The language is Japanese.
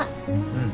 うん。